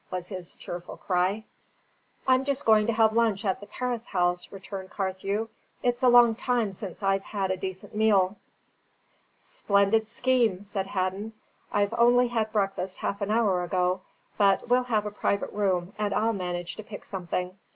was his cheerful cry. "I'm just going to have lunch at the Paris House," returned Carthew. "It's a long time since I have had a decent meal." "Splendid scheme!" said Hadden. "I've only had breakfast half an hour ago; but we'll have a private room, and I'll manage to pick something.